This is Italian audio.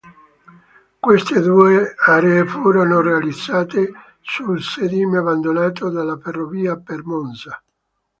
Queste due aree furono realizzate sul sedime abbandonato della ferrovia per Monza.